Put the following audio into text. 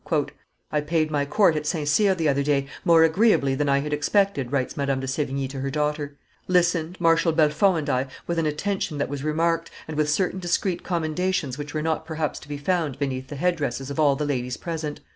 "I paid my court at St. Cyr the other day, more agreeably than I had expected writes Madame de Sevigne to her daughter: listened, Marshal Bellefonds and I, with an attention that was remarked, and with certain discreet commendations which were not perhaps to be found beneath the head dresses' of all the ladies present.